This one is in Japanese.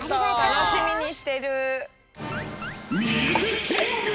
たのしみにしてる！